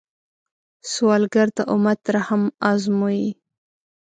سوالګر د امت رحم ازمويي